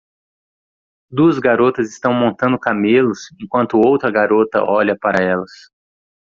Duas garotas estão montando camelos enquanto outra garota olha para elas.